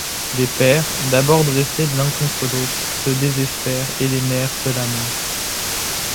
Les pères, d'abord dressés l'un contre l'autre, se désespèrent et les mères se lamentent.